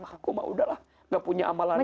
aku mah udahlah nggak punya amalan lagi